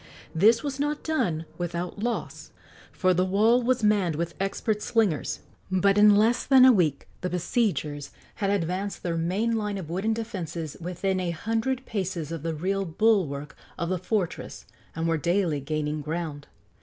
This was not done without loss, for the wall was manned with expert slingers; but in less than a week the besiegers had advanced their main line of wooden defences within a hundred paces of the rear bulwark of the fortress and were daily gaining ground.